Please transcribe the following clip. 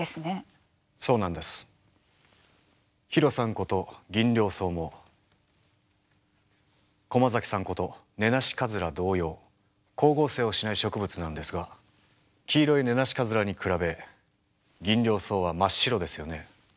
ことギンリョウソウも駒崎さんことネナシカズラ同様光合成をしない植物なんですが黄色いネナシカズラに比べギンリョウソウは真っ白ですよね。